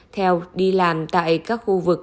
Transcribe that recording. theo đi làm tại các khu vực